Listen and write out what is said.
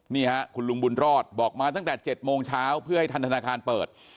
นี่ฮะคุณลุงบุญรอดบอกมาตั้งแต่๗โมงเช้าเพื่อให้ทันธนาคารเปิด